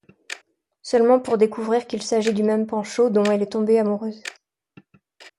Seulement pour découvrir qu'il s'agit du même Pancho dont elle est tombé amoureuse.